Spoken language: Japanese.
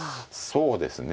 そうですね。